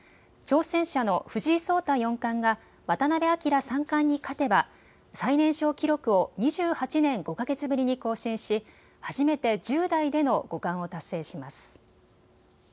挑戦者の藤井聡太四冠が渡辺明三冠に勝てば最年少記録を２８年５か月ぶりに更新し初めて１０代での五冠を達成します。